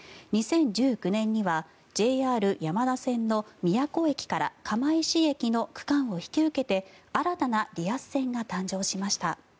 ２０１９年にはＪＲ山田線の宮古駅から釜石駅の区間を引き受けて新たなリアス線が誕生しました。